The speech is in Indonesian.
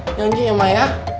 jangan jatuh ya ma ya